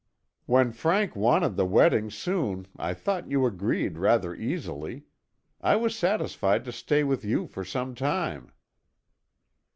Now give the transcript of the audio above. "When Frank wanted the wedding soon I thought you agreed rather easily. I was satisfied to stay with you for some time."